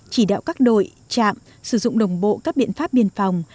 chỉ đạo các đội trạm sử dụng đồng bộ các biện pháp biên phòng